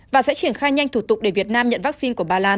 và sẽ triển khai nhanh thủ tục để việt nam nhận vaccine của ba lan